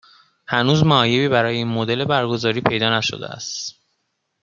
هنوز معایبی برای این مدل برگزاری پیدا نشده است